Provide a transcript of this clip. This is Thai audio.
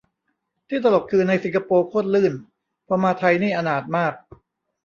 ที่ตลกคือ ในสิงคโปร์โคตรลื่น พอมาไทยนี่อนาถมาก